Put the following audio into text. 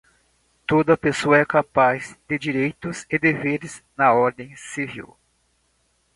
Toda pessoa é capaz de direitos e deveres na ordem civil.